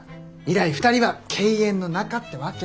以来２人は敬遠の仲ってわけ。